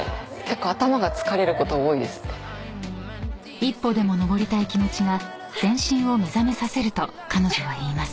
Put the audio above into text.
［１歩でも登りたい気持ちが全身を目覚めさせると彼女は言います］